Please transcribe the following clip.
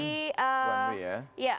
untuk one way ya